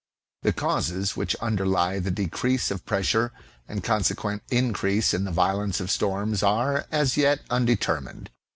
The causes which underlie the decrease of pressure and conse quent increase in the violence of storms are, as yet, undetermined.